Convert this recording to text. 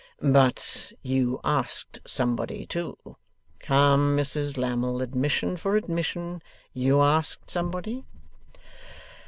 'But you asked somebody, too. Come, Mrs Lammle, admission for admission. You asked somebody?